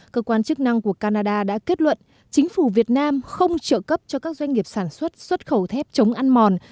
cơ quan chức năng của canada đã kết luận chính phủ việt nam không trợ cấp cho các doanh nghiệp sản xuất xuất khẩu thép chống ăn mòn